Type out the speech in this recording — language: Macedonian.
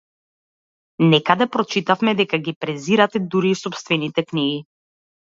Некаде прочитавме дека ги презирате дури и сопстените книги.